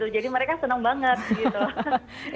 jadi mereka senang banget gitu